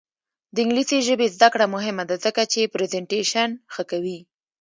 د انګلیسي ژبې زده کړه مهمه ده ځکه چې پریزنټیشن ښه کوي.